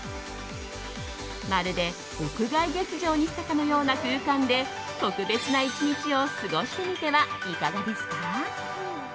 まるで屋外劇場に来たかのような空間で特別な１日を過ごしてみてはいかがですか？